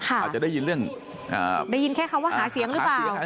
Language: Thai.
อาจจะได้ยินเรื่องได้ยินแค่คำว่าหาเสียงหรือเปล่า